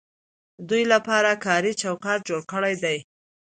دوی لپاره کاري چوکاټ جوړ کړی دی.